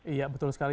iya betul sekali